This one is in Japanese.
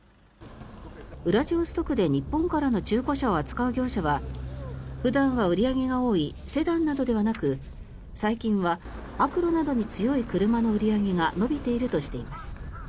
ウラジオストクで日本からの中古車を扱う業者は普段は売り上げが多いセダンなどではなく最近は悪路などに強い車の売り上げが伸びているとしています。